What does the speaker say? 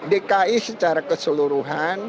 dki secara keseluruhan